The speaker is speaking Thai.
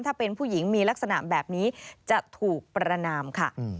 ถ้าเป็นผู้หญิงมีลักษณะแบบนี้จะถูกประนามค่ะ